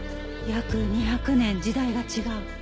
約２００年時代が違う。